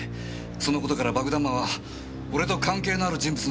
その事から爆弾魔は俺と関係のある人物のようです。